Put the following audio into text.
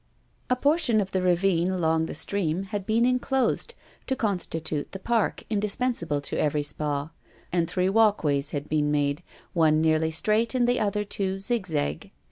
A portion of the ravine along the stream had been inclosed, to constitute the park indispensable to every spa; and three walks had been made, one nearly straight, and the other two zigzag.